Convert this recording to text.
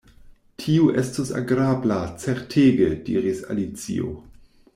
"Tio estus agrabla, certege," diris Alicio.